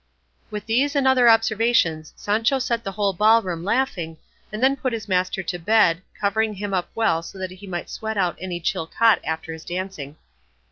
With these and other observations Sancho set the whole ball room laughing, and then put his master to bed, covering him up well so that he might sweat out any chill caught after his dancing.